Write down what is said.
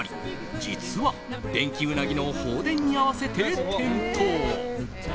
実は、デンキウナギの放電に合わせて点灯。